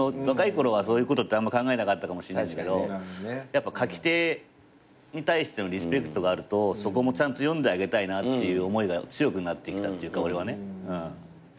若いころはそういうことって考えなかったかもしれないけど書き手に対してのリスペクトがあるとそこもちゃんと読んであげたいなって思いが強くなってきたっていうか俺は。